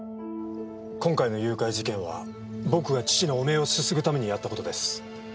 今回の誘拐事件は僕が父の汚名をすすぐためにやった事です。